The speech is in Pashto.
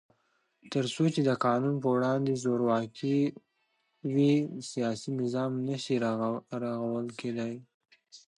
تر څو چې د قانون په وړاندې زورواکي وي، سیاسي نظام نشي رغول کېدای.